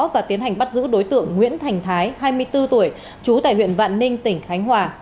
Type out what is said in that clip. và tiến hành bắt giữ đối tượng nguyễn thành thái hai mươi bốn tuổi trú tại huyện vạn ninh tỉnh khánh hòa